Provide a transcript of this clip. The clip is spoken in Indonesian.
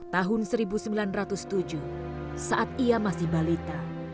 tahun seribu sembilan ratus tujuh saat ia masih balita